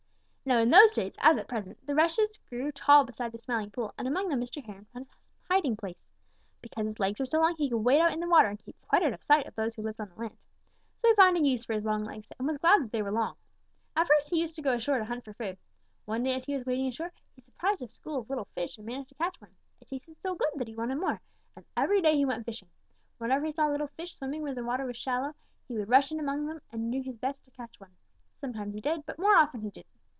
Now in those days, as at present, the rushes grew tall beside the Smiling Pool, and among them Mr. Heron found a hiding place. Because his legs were long, he could wade out in the water and keep quite out of sight of those who lived on the land. So he found a use for his long legs and was glad that they were long. At first he used to go ashore to hunt for food. One day as he was wading ashore, he surprised a school of little fish and managed to catch one. It tasted so good that he wanted more, and every day he went fishing. Whenever he saw little fish swimming where the water was shallow, he would rush in among them and do his best to catch one. Sometimes he did, but more often he didn't.